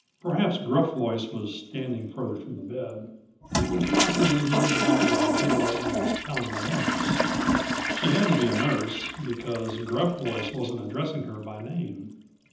Perhaps Gruff Voice was standing further from the bed. Or possibly he didn't want me to hear what he was telling the nurse. She had to be a nurse, because Gruff Voice wasn't addressing her by name.